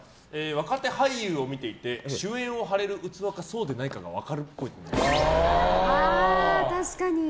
若手俳優を見ていて主演を張れる器かそうでないかが分かるっぽい。